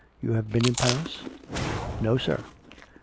You have been in Paris? "" No, sir."